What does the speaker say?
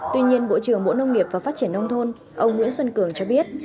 tuy nhiên bộ trưởng bộ nông nghiệp và phát triển nông thôn ông nguyễn xuân cường cho biết